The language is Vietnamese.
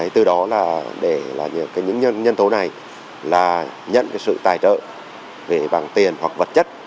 từ đó là những nhân thố này nhận sự tài trợ về bằng tiền hoặc vật chất